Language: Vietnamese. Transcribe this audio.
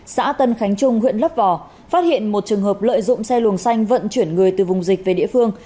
xã tân khánh trung huyện lấp vò phát hiện một trường hợp lợi dụng xe luồng xanh vận chuyển người từ vùng dịch về địa phương